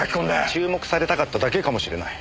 注目されたかっただけかもしれない。